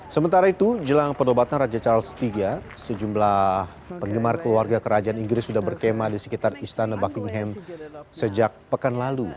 sementara itu jelang penobatan raja charles iii sejumlah penggemar keluarga kerajaan inggris sudah berkema di sekitar istana buckingham sejak pekan lalu